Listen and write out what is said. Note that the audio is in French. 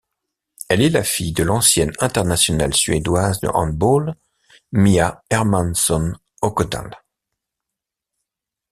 Elle est la fille de l'ancienne internationale suédoise de handball Mia Hermansson-Högdahl.